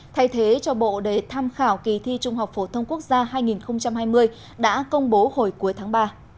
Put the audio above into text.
thay thế cho bộ đề tham khảo kỳ thi trung học phổ thông quốc gia hai nghìn hai mươi đã công bố hồi cuối tháng ba